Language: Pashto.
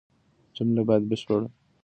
جمله بايد بشپړه وي.